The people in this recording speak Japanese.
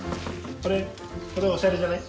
これおしゃれじゃない？